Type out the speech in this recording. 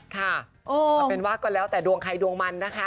เอาเป็นว่าก็แล้วแต่ดวงใครดวงมันนะคะ